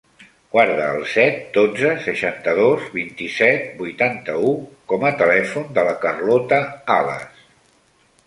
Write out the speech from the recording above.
Guarda el set, dotze, seixanta-dos, vint-i-set, vuitanta-u com a telèfon de la Carlota Ales.